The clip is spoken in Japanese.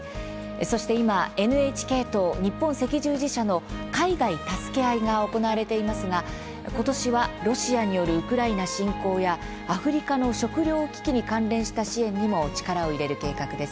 そして今ＮＨＫと日本赤十字社の「海外たすけあい」が行われていますが、今年はロシアによるウクライナ侵攻やアフリカの食料危機に関連した支援にも力を入れる計画です。